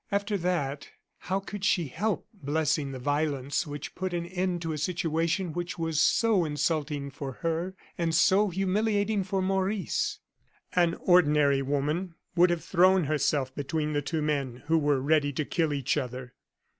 After that, how could she help blessing the violence which put an end to a situation which was so insulting for her, and so humiliating for Maurice? An ordinary woman would have thrown herself between the two men who were ready to kill each other.